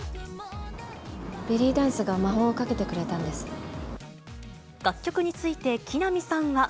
ベリーダンスが魔法をかけて楽曲について、木南さんは。